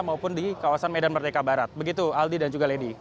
maupun di kawasan medan merdeka barat begitu aldi dan juga lady